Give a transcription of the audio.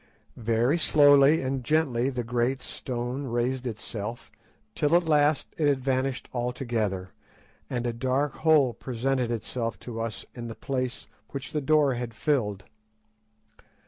Very slowly and gently the great stone raised itself, till at last it had vanished altogether, and a dark hole presented itself to us in the place which the door had filled.